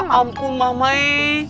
ya ampun mamai